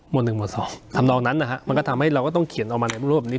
มวล๑มวล๒ทำลองนั้นนะครับมันก็ทำให้เราก็ต้องเขียนออกมาในภูมิรวบนี้